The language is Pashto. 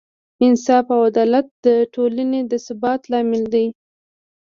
انصاف او عدالت د ټولنې د ثبات لامل دی.